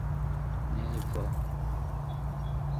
nevo